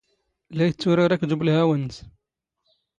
ⵍⴰ ⵉⵜⵜⵓⵔⴰⵔ ⴰⴽⴷ ⵓⴱⵍⵀⴰⵡ ⵏⵏⵙ.